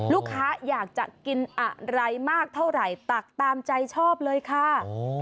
ลูกค้าอยากจะกินอะไรมากเท่าไหร่ตักตามใจชอบเลยค่ะ